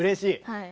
はい。